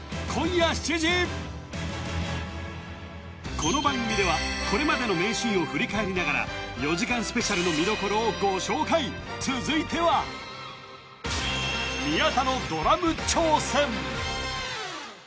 今夜７時この番組ではこれまでの名シーンを振り返りながら４時間スペシャルの見どころをご紹介続いては宮田のドラム挑戦